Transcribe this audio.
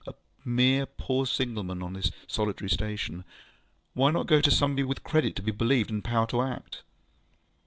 A mere poor signal man on this solitary station! Why not go to somebody with credit to be believed, and power to act?